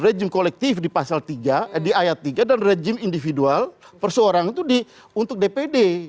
rejim kolektif di pasal tiga di ayat tiga dan rejim individual perseorang itu untuk dpd